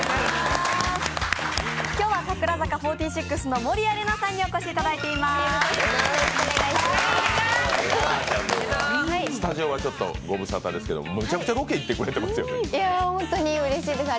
今日は櫻坂４６の守屋麗奈さんにお越しいただいています。